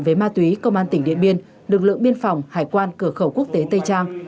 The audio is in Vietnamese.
về ma túy công an tỉnh điện biên lực lượng biên phòng hải quan cửa khẩu quốc tế tây trang